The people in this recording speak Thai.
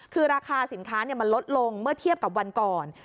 คือราคาสินค้ามันลดลงเมื่อเทียบกับวันก่อน